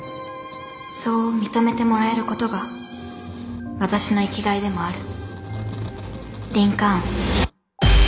そう認めてもらえることが私の生きがいでもある。